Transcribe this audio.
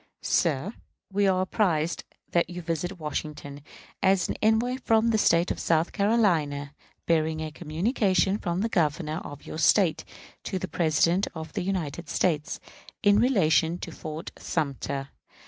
Sir: We are apprised that you visit Washington, as an envoy from the State of South Carolina, bearing a communication from the Governor of your State to the President of the United States, in relation to Fort Sumter.